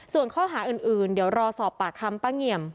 ส่วนข้อหาอื่นเดี๋ยวรอสอบปากคำป้าเงี่ยม